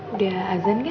udah azan gak